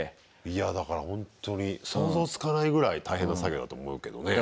いやだからほんとに想像つかないぐらい大変な作業だと思うけどね。